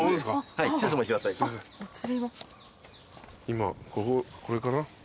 今これかな？